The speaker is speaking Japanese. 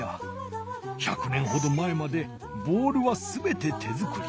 １００年ほど前までボールはすべて手作り。